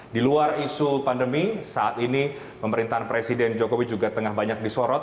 di luar isu pandemi saat ini pemerintahan presiden jokowi juga tengah banyak disorot